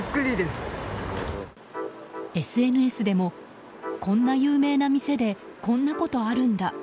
ＳＮＳでも、こんな有名な店でこんなことあるんだ。